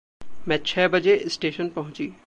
मैं छः बजे स्टेशन पहुँची।